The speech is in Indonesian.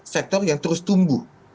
sektor yang terus tumbuh